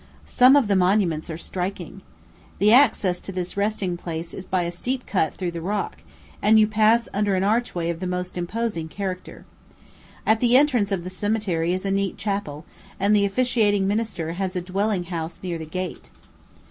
Some of the monuments are striking. The access to this resting place is by a steep cut through the rock, and you pass under an archway of the most imposing character. At the entrance of the cemetery is a neat chapel, and the officiating minister has a dwelling house near the gate.